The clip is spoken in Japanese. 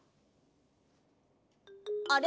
あれ？